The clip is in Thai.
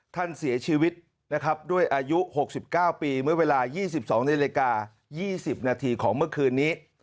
ท่านเสียชีวิตนะครับด้วยอายุ๖๙ปีเมื่อเวลา๒๒นาฬิกา๒๐นาทีของเมื่อคืนนี้